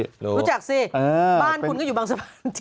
รู้จักสิบ้านคุณก็อยู่บางสะพาน